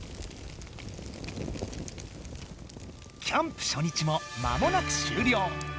キャンプ初日もまもなく終了。